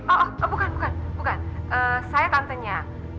oh bukan bukan saya tantenya